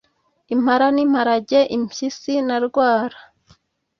impara n'imparage, impyisi na rwara